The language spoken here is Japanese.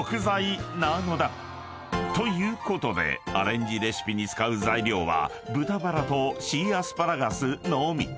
［ということでアレンジレシピに使う材料は豚バラとシーアスパラガスのみ］